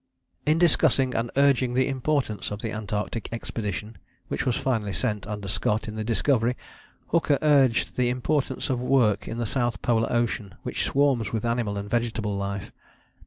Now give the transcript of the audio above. " In discussing and urging the importance of the Antarctic Expedition which was finally sent under Scott in the Discovery, Hooker urged the importance of work in the South Polar Ocean, which swarms with animal and vegetable life.